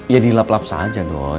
ya dilap lap saja doi